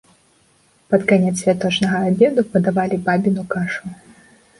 Пад канец святочнага абеду падавалі бабіну кашу.